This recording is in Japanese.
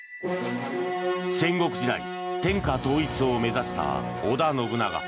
戦国時代、天下統一を目指した織田信長。